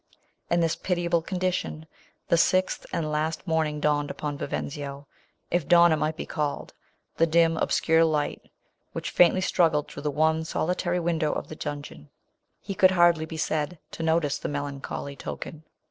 In this pitiable condition, the sixth and last morning dawned upon Vi venzio, if dawn it might be called — the dim, obscure light which faintly struggled through the ONE SOLITARY window of his dungeon. He could 1830.] The Iron hardly be said to notice the melan choly token.